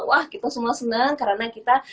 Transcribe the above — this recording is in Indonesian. wah kita semua senang karena kita